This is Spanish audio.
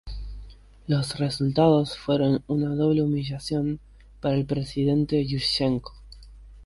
Los resultados fueron una doble humillación para el presidente Yúshchenko.